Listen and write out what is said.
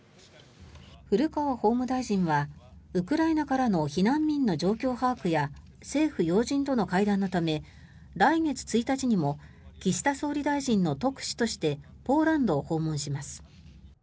古川法務大臣はウクライナからの避難民の状況把握や政府要人との会談のため来月１日にも岸田総理大臣の特使としてポーランドを訪問します。